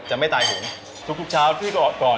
จะไม่ตายหงทุกชาวที่ก่อน